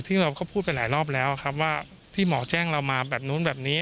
ซึ่งเราก็พูดไปหลายรอบแล้วครับว่าที่หมอแจ้งเรามาแบบนู้นแบบนี้